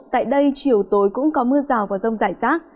tại đây chiều tối cũng có mưa rào và rông rải rác